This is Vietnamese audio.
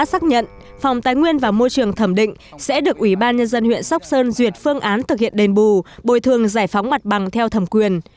xác nhận phòng tái nguyên và môi trường thẩm định sẽ được ubnd huyện sóc sơn duyệt phương án thực hiện đền bù bồi thường giải phóng mặt bằng theo thẩm quyền